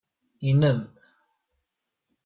Inem.